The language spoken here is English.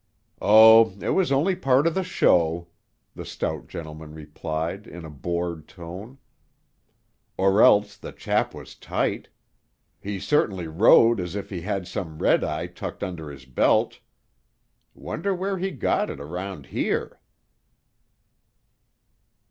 "Oh, it was only part of the show," the stout gentleman replied in a bored tone. "Or else the chap was tight. He certainly rode as if he had some red eye tucked under his belt; wonder where he got it around here?"